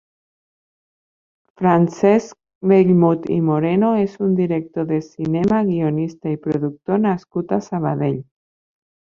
Francesc Bellmunt i Moreno és un director de cinema, guionista i productor nascut a Sabadell.